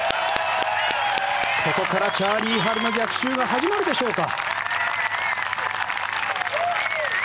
ここからチャーリー・ハルの逆襲が始まるでしょうか。